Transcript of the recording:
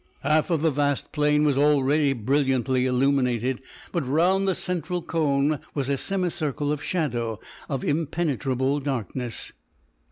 Half of the vast plain was already brilliantly illuminated, but round the central cone was a semicircle of shadow of impenetrable blackness.